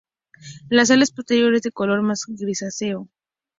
Las alas posteriores son de color más grisáceo.